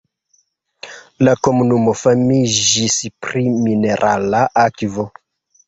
La komunumo famiĝis pri minerala akvo.